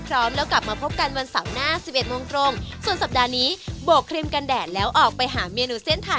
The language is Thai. คำเดียวว่ามาเที่ยวมาเที่ยวมาเช็คอินกับหลายเมนูสำหรับเราเส้นเป็นเรื่องในวันนี้บอกได้คำเดียวว่ามา